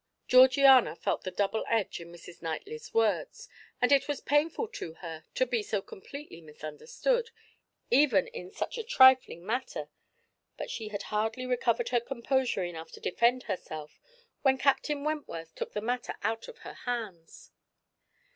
Georgiana felt the double edge in Mrs. Knightley's words, and it was painful to her to be so completely misunderstood, even in such a trifling matter; but she had hardly recovered her composure enough to defend herself when Captain Wentworth took the matter out of her hands.